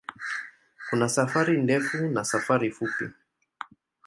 Kuna safari ndefu na safari fupi.